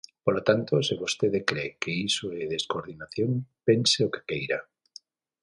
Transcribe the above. Polo tanto, se vostede cre que iso é descoordinación, pense o que queira.